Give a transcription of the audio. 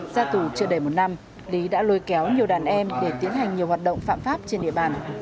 ra tù chưa đầy một năm lý đã lôi kéo nhiều đàn em để tiến hành nhiều hoạt động phạm pháp trên địa bàn